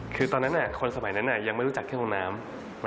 คือตอนนั้นคนสมัยนั้นยังไม่รู้จักแค่ห้องน้ำ